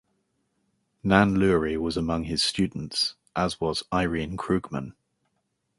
Nan Lurie was among his students, as was Irene Krugman.